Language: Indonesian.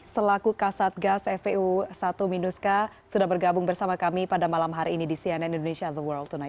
selaku kasat gas fpu satu minus k sudah bergabung bersama kami pada malam hari ini di cnn indonesia the world tonight